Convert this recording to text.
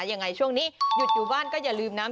ยังไงช่วงนี้หยุดอยู่บ้านก็อย่าลืมนะ